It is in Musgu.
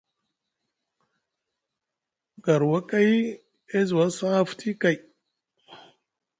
Garwakay e zi was haa futi kay.